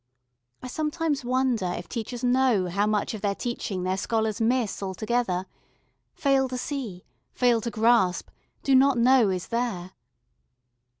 I sometimes wonder if teachers know how much of their teaching their scholars miss altogether fail to see, fail to grasp, do not know is there.